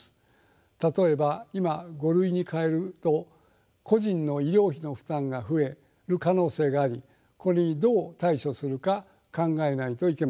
例えば今「５類」に変えると個人の医療費の負担が増える可能性がありこれにどう対処するか考えないといけません。